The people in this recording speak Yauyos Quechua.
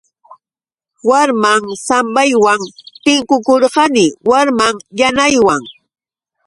Warmay sambaywan tinkukurqani warmay yanaywan.